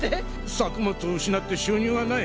作物を失って収入がない。